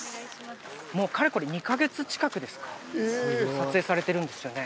もうかれこれ２カ月近くですか撮影されてるんですよね？